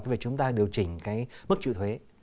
cái việc chúng ta điều chỉnh cái mức trữ thuế